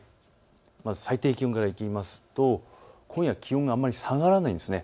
まず最低気温からいきますと今夜は気温があまり下がらないんです。